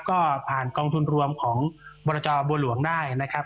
ก็ผ่านกองทุนรวมของบรจบัวหลวงได้นะครับ